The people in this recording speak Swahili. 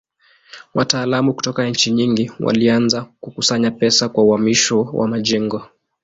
Wataalamu kutoka nchi nyingi walianza kukusanya pesa kwa uhamisho wa majengo.